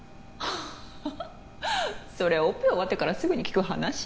ハハッそれオペ終わってからすぐに聞く話？